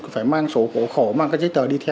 phải mang sổ hộ khẩu mang cái giấy tờ đi theo